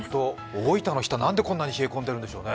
大分の日田なんでこんなに冷え込んでるんでしょうね？